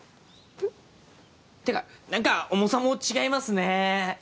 ん？ってか何か重さも違いますねぇ。